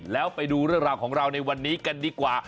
แล้วไปดูเรื่องราวของเราในวันนี้กันดีกว่า